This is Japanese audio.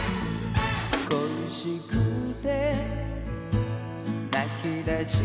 「恋しくて泣きだした」